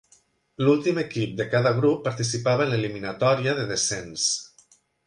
L'últim equip de cada grup participava en l'eliminatòria de descens.